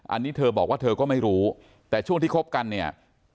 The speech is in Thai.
อันนี้เธอบอกว่าเธอก็ไม่รู้แต่ช่วงที่คบกันเนี่ย